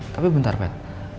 tapi bentar pat